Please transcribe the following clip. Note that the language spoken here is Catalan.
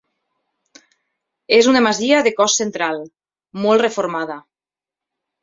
És una masia de cos central, molt reformada.